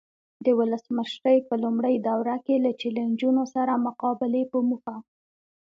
د ولسمشرۍ په لومړۍ دوره کې له چلنجونو سره مقابلې په موخه.